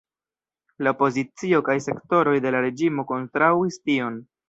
La opozicio kaj sektoroj de la reĝimo kontraŭis tion.